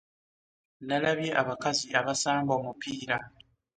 Nalabye abakazi abasamba omupiira.